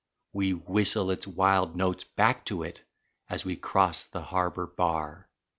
We whistle its wild notes back to it As we cross the harbor bar.